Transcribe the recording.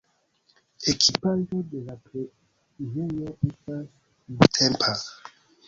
Ekipaĵo de la preĝejo estas nuntempa.